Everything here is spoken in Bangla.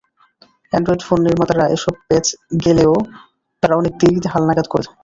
অ্যান্ড্রয়েড ফোন নির্মাতারা এসব প্যাঁচ পেলেও তারা অনেক দেরিতে হালনাগাদ করে।